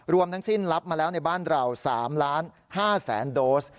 ทั้งสิ้นรับมาแล้วในบ้านเรา๓๕๐๐๐โดส